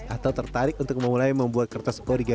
atau tertarik untuk memulai membuat kertos riga